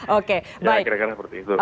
oke kira kira seperti itu